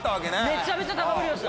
めちゃめちゃ高ぶりました。